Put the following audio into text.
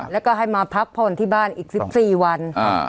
แล้วก็ให้มาพักผ่อนที่บ้านอีก๑๔วัน